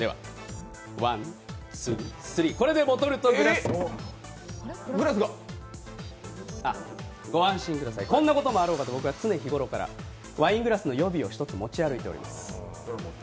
１、２、３、これでボトルとグラスあ、ご安心ください、こんなこともあろうから常日ごろからワイングラスの予備を１つ持ち歩いています。